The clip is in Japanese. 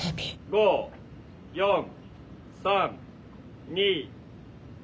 ・５４３２。